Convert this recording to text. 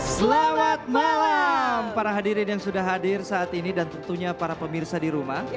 selamat malam para hadirin yang sudah hadir saat ini dan tentunya para pemirsa di rumah